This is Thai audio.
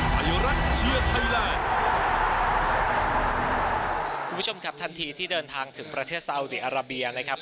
คุณผู้ชมครับทันทีที่เดินทางถึงประเทศซาอุดีอาราเบียนะครับ